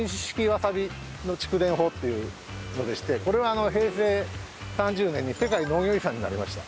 わさび築田法というのでしてこれは平成３０年に世界農業遺産になりました。